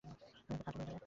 আমি একটা খাঁটি নেকড়ে।